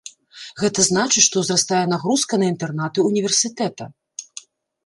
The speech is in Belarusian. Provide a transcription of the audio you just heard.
Гэта значыць, што ўзрастае нагрузка на інтэрнаты ўніверсітэта.